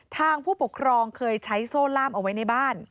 ผู้ปกครองเคยใช้โซ่ล่ามเอาไว้ในบ้าน